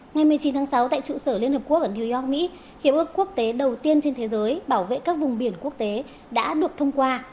ngày một mươi chín tháng sáu tại trụ sở liên hợp quốc ở new york mỹ hiệp ước quốc tế đầu tiên trên thế giới bảo vệ các vùng biển quốc tế đã được thông qua